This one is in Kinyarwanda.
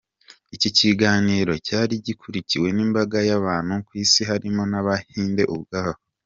Iki kiganiro cyari gikurikiwe n’imbaga y’abantu ku isi harimo n’abahinde ubwabo.